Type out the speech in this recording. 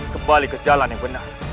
kembali ke jalan yang benar